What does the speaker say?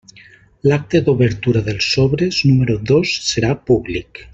L'acte d'obertura dels sobres número dos serà públic.